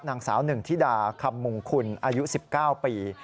นางสาวหนึ่งธิดาคำมงคุณอายุ๑๙ปี